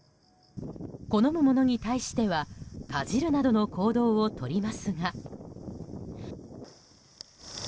好むものに対してはかじるなどの行動をとりますが。